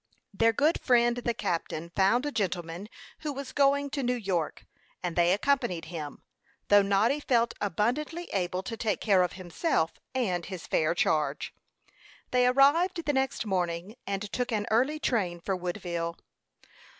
Their good friend the captain found a gentleman who was going to New York, and they accompanied him, though Noddy felt abundantly able to take care of himself and his fair charge. They arrived the next morning, and took an early train for Woodville.